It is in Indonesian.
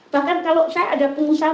bahkan kalau saya ada pengusaha